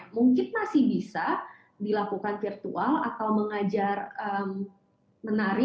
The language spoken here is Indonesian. mungkin masih bisa dilakukan virtual atau mengajar menari